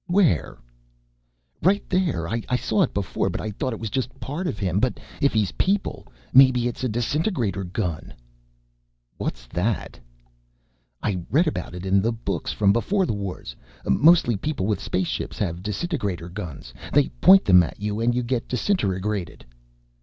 "Where?" "Right there. I saw it before but I thought it was just part of him. But if he's 'people,' maybe it's a disintegrator gun." "What's that?" "I read about it in the books from Beforethewars. Mostly people with space ships have disintegrator guns. They point them at you and you get disintegratored."